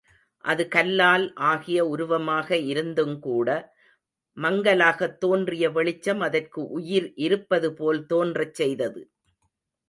அது கல்லால் ஆகிய உருவமாக இருந்துங்கூட, மங்கலாகத் தோன்றிய வெளிச்சம் அதற்கு உயிர் இருப்பதுபோல் தோன்றச் செய்தது.